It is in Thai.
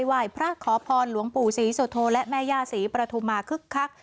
ไหว้พระขอพรหลวงปู่ศรีสุโธและแม่ย่าศรีประธุมาคึกคัก